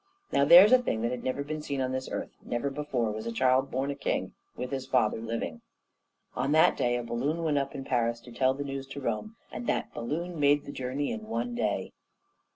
Now, there's a thing that had never been seen on this earth; never before was a child born a king with his father living. On that day a balloon went up in Paris to tell the news to Rome, and that balloon made the journey in one day.